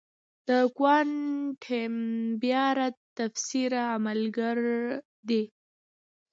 د کوانټم بیارد تفسیر عملگر دی.